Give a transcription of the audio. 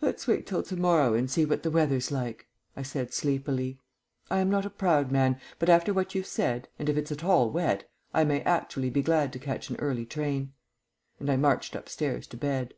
"Let's wait till to morrow and see what the weather's like," I said sleepily. "I am not a proud man, but after what you've said, and if it's at all wet, I may actually be glad to catch an early train." And I marched upstairs to bed.